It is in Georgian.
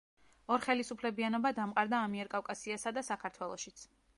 ორხელისუფლებიანობა დამყარდა ამიერკავკასიასა და საქართველოშიც.